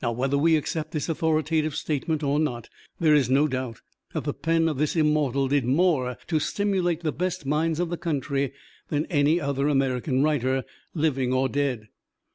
Whether we accept this authoritative statement or not, there is no doubt that the pen of this immortal did more to stimulate the best minds of the country than any other American writer, living or dead.